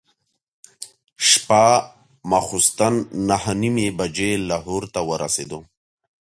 شپه ماخوستن نهه نیمې بجې لاهور ته ورسېدو.